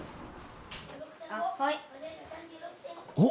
おっ！